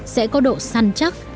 sẽ có độ săn chắc